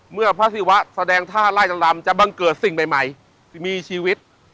เมื่อพระศิวะแสดงท่าไล่ลำจะบังเกิดสิ่งใหม่มีชีวิต